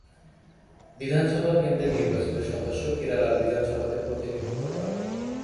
বিধানসভা কেন্দ্রের নির্বাচিত সদস্য কেরালার বিধানসভাতে প্রতিনিধিত্ব করে।